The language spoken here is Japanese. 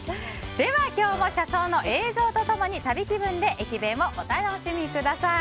では今日も車窓の映像と共に旅気分で駅弁をお楽しみください。